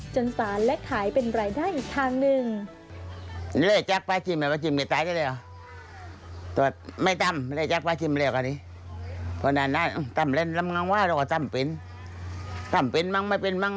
สารและขายเป็นรายได้อีกทางหนึ่ง